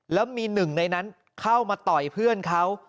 แล้วมีหนึ่งในนั้นเข้ามาต่อยเพื่อนเขา